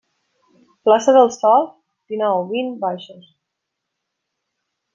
Plaça del Sol dinou - vint, baixos.